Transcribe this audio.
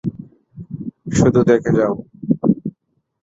শুধু দেখে যাও।